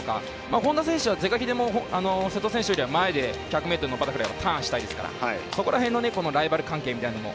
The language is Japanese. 本多選手は是が非でも瀬戸選手よりも前で１００ｍのバタフライターンしたいですからそこら辺のライバル関係みたいなのも。